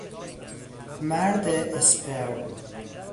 مرد اسپرم